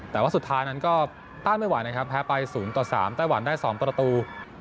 แต่ว่าสุดท้ายนั้นก็ต้านไม่ไหวนะครับแพ้ไป๐ต่อ๓ไต้หวันได้๒ประตู